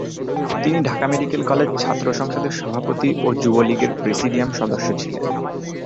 তিনি Dhaka Medical College ছাত্র সংসদের সভাপতি ও যুবলীগের প্রেসিডিয়াম সদস্য ছিলেন।